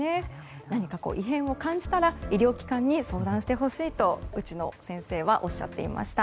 何か異変を感じたら医療機関に相談してほしいと内野先生はおっしゃっていました。